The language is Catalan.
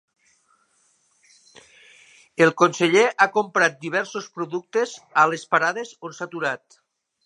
El conseller ha comprat diversos productes a les parades on s'ha aturat.